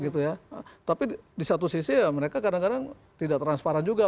tapi di satu sisi ya mereka kadang kadang tidak transparan juga